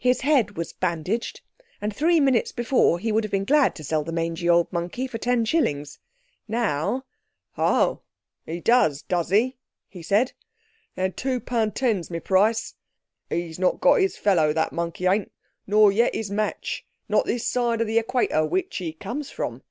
His hand was bandaged, and three minutes before he would have been glad to sell the "mangy old monkey" for ten shillings. Now— "Ho! 'E does, does 'e," he said, "then two pun ten's my price. He's not got his fellow that monkey ain't, nor yet his match, not this side of the equator, which he comes from.